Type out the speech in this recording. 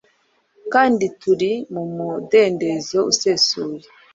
kandi turi mu mudendezo usesuye.